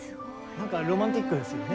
なんかロマンティックですよね。